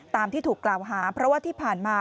ตามที่ถูกกล่าวหาเพราะว่าที่ผ่านมา